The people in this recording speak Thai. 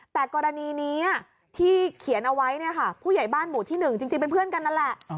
แต่กรณีนี้ที่เขียนเอาไว้เนี่ยค่ะผู้ใหญ่บ้านหมู่ที่๑จริงเป็นเพื่อนกันนั่นแหละ